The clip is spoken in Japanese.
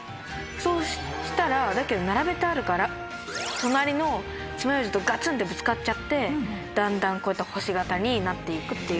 そうしたらだけど並べてあるから隣のつまようじとガツンってぶつかっちゃってだんだん星形になって行くっていう。